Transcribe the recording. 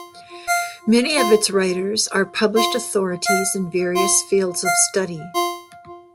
Many of its writers are published authorities in various fields of study.